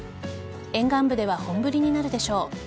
沿岸部では本降りになるでしょう。